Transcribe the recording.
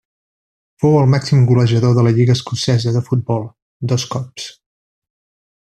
Fou el màxim golejador de la lliga escocesa de futbol dos cops.